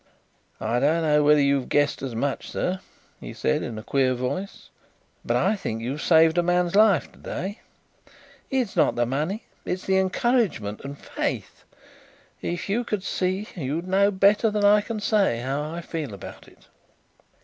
"I don't know whether you've guessed as much, sir," he said in a queer voice, "but I think that you've saved a man's life to day. It's not the money, it's the encouragement ... and faith. If you could see you'd know better than I can say how I feel about it."